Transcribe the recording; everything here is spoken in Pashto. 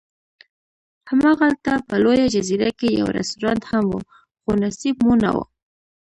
هماغلته په لویه جزیره کې یو رستورانت هم و، خو نصیب مو نه و.